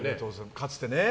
かつてね。